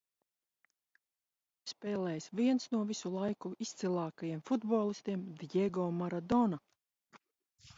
Klubā ir spēlējis viens no visu laiku izcilākajiem futbolistiem Djego Maradona.